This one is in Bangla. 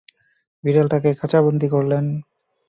বিড়ালটাকে খাঁচাবন্দী করলেন।